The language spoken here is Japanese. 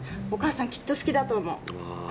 お母さんきっと好きだと思う。